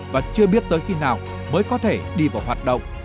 và chưa biết tới khi nào mới có thể đi vào hoạt động